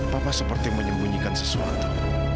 papa seperti menyembunyikan sesuatu